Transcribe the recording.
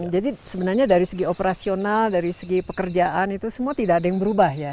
jadi sebenarnya dari segi operasional dari segi pekerjaan itu semua tidak ada yang berubah ya